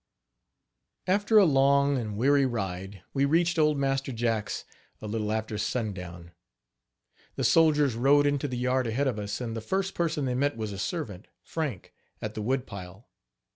After a long and weary ride we reached old Master Jack's a little after sundown. The soldiers rode into the yard ahead of us, and the first person they met was a servant (Frank) at the woodpile.